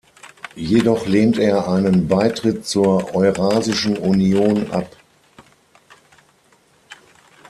Jedoch lehnt er einen Beitritt zur Eurasischen Union ab.